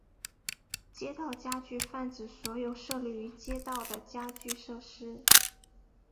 街道家具泛指所有设立于街道的家具设施。